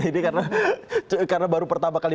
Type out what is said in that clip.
ini karena baru pertama kali